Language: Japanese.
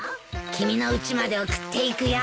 君のうちまで送っていくよ。